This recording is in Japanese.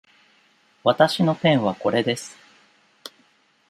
わたしのペンはこれです。